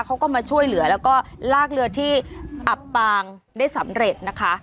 เขาก็มาช่วยเหลือแล้วก็ลากเรือที่อับปางได้สำเร็จนะคะ